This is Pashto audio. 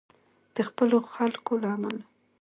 د خپلو خلکو له امله.